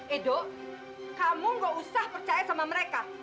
edo kamu gak usah percaya sama mereka